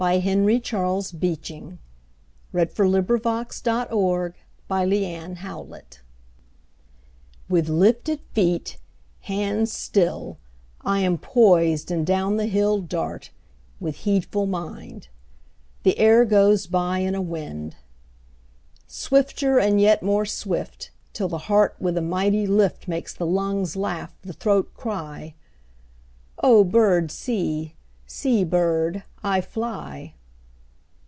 Henry Charles Beeching. 1859–1919 856. Going down Hill on a Bicycle A BOY'S SONG WITH lifted feet, hands still, I am poised, and down the hill Dart, with heedful mind; The air goes by in a wind. Swifter and yet more swift, 5 Till the heart with a mighty lift Makes the lungs laugh, the throat cry:— 'O bird, see; see, bird, I fly.